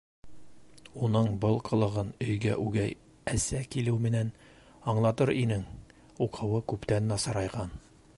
Уның был ҡылығын өйгә үгәй әсә килеү менән аңлатыр инең - уҡыуы күптән насарайған.